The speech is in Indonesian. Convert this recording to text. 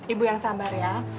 ibu yang sabar ya